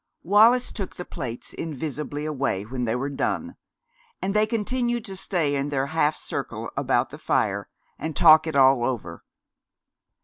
Wallis took the plates invisibly away when they were done, and they continued to stay in their half circle about the fire and talk it all over.